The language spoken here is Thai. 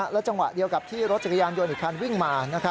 และจังหวะเดียวกับที่รถจักรยานยนต์อีกคันวิ่งมา